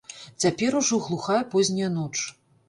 Цяпер ужо глухая позняя ноч.